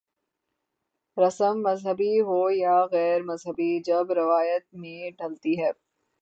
رسم مذہبی ہو یا غیر مذہبی جب روایت میں ڈھلتی ہے۔